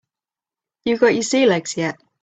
You got your sea legs yet?